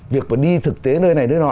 việc mà đi thực tế nơi này nơi nọ